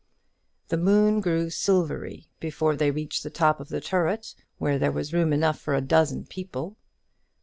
The moon grew silvery before they reached the top of the turret, where there was room enough for a dozen people.